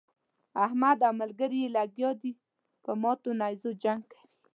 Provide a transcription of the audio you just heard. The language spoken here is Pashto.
احمد او ملګري يې لګيا دي په ماتو نېزو جنګ کوي.